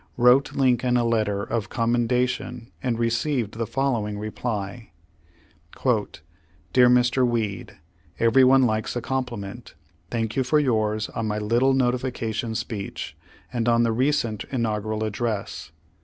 wrote Lincoln a letter of commendation and received the following in reply : "Dear Mr. Weed: Everyone likes a compliment. Thank you for yours on my little notification speech and on the recent inaugural address.